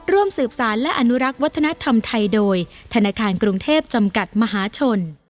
ร่วมสืบสารและอนุรักษ์วัฒนธรรมไทยโดยธนาคารกรุงเทพจำกัดมหาชน